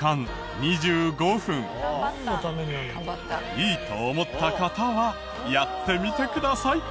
いいと思った方はやってみてください。